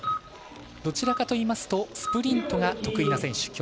どちらかといいますとスプリントが得意な選手。